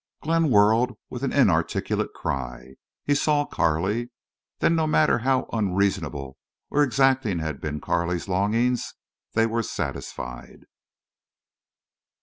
Glenn whirled with an inarticulate cry. He saw Carley. Then—no matter how unreasonable or exacting had been Carley's longings, they were satisfied.